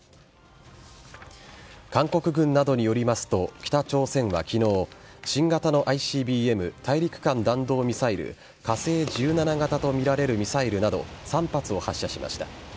韓国軍などによりますと北朝鮮は昨日新型のＩＣＢＭ＝大陸間弾道ミサイル火星１７型とみられるミサイルなど３発を発射しました。